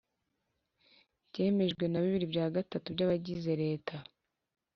Byemejwe na bibiri bya gatatu by abayigize leta